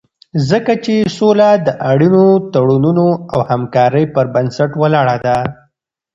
ځکه چې سوله د اړینو تړونونو او همکارۍ پر بنسټ ولاړه ده.